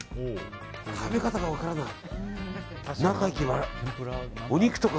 食べ方が分からない。